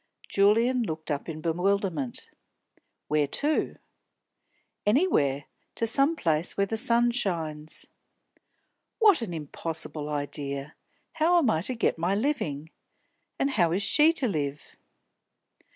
Julian looked up in bewilderment. "Where to?" "Anywhere. To some place where the sun shines." "What an impossible idea! How am I to get my living? And how is she to live?"